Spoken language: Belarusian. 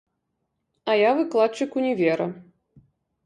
А я выкладчык універа.